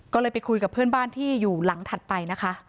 ก็เลยไปคุยกับเพื่อนบ้านที่อยู่หลังถัดไปนะคะ